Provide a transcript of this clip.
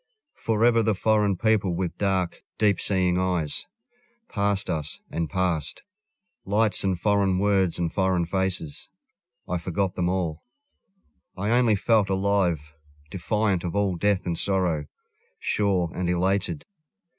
Forever the foreign people with dark, deep seeing eyes Passed us and passed. Lights and foreign words and foreign faces, I forgot them all; I only felt alive, defiant of all death and sorrow, Sure and elated.